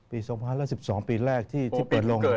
ปีสองพันแล้ว๑๒ปีแรกที่เปิดลง